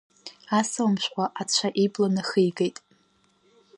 Асалам шәҟәы ацәа ибла нахигеит.